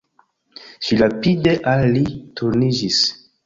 Ŝi rapide al li turniĝis.